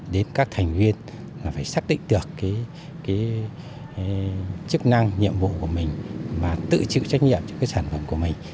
đến các thành viên phải xác định được chức năng nhiệm vụ của mình và tự chịu trách nhiệm cho sản phẩm của mình